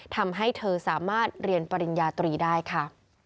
ทำให้เธอสามารถเรียนปริญญาตรีได้ค่ะ